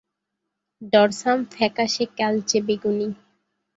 Dorsum ফ্যাকাশে কালচে বেগুনি।